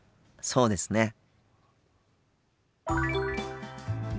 そうですね。